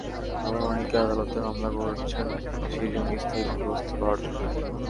আবার অনেকেই আদালতে মামলা করছেন সেই জমি স্থায়ী বন্দোবস্ত পাওয়ার জন্য।